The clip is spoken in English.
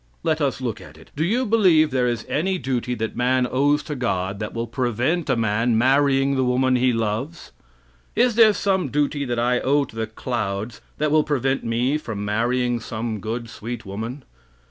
Let us look at it. Do you believe there is any duty that man owes to God that will prevent a man marrying the woman he loves? Is there some duty that I owe to the clouds that will prevent me from marrying some good, sweet woman?